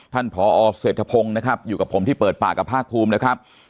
ผอเศรษฐพงศ์นะครับอยู่กับผมที่เปิดปากกับภาคภูมินะครับ